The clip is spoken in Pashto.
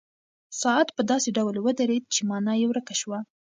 ساعت په داسې ډول ودرېد چې مانا یې ورکه شوه.